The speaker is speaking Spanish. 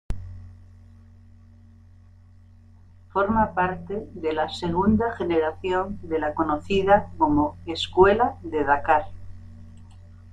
Forma parte de la segunda generación de la conocida coma 'Escuela de Dakar'.